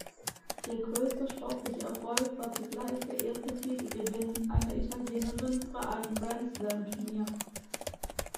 Ihr größter sportlicher Erfolg war zugleich der erste Titelgewinn einer Italienerin bei einem Grand-Slam-Turnier.